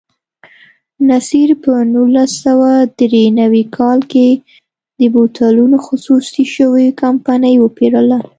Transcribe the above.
نصیر په نولس سوه درې نوي کال کې د بوتلونو خصوصي شوې کمپنۍ وپېرله.